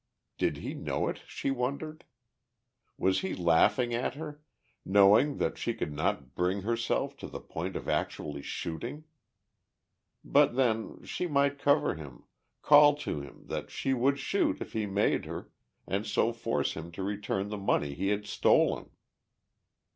Did he know it? she wondered. Was he laughing at her, knowing that she could not bring herself to the point of actually shooting? But then, she might cover him, call to him that she would shoot if he made her, and so force him to return the money he had stolen.